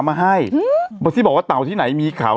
อุ้ยต้องมีข่าว